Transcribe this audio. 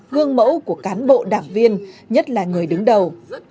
gương mẫu của cán bộ đảng viên nhất là người đứng đầu